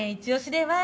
では